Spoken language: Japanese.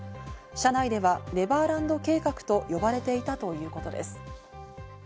社内ではネバーランド計画と呼ばれていたということです。